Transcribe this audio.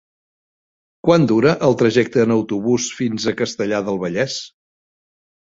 Quant dura el trajecte en autobús fins a Castellar del Vallès?